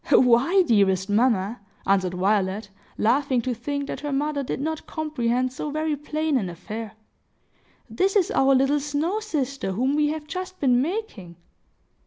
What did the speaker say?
"Why, dearest mamma," answered Violet, laughing to think that her mother did not comprehend so very plain an affair, "this is our little snow sister whom we have just been making!"